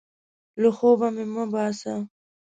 له خوبه مې مه باسه!